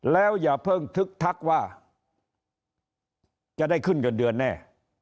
แล้วอย่าเพิ่งทึกทักว่าจะได้ขึ้นเงินเดือนแน่